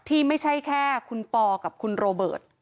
ไม่ใช่แค่คุณปอกับคุณโรเบิร์ต